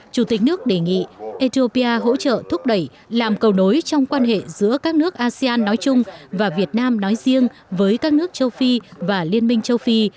chủ tịch nước đề nghị ethiopia hỗ trợ thúc đẩy làm cầu nối trong quan hệ giữa các nước asean nói chung và việt nam nói riêng với các nước châu phi và liên minh châu phi